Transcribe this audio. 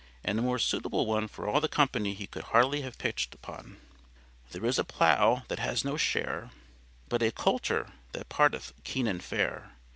And a more suitable one for all the company he could hardly have pitched upon. "There is a plough that has no share, But a coulter that parteth keen and fair.